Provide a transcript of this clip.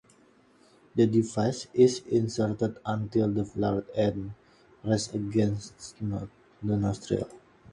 The device is inserted until the flared end rests against the nostril.